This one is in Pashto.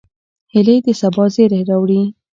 هیلۍ د سبا زیری راوړي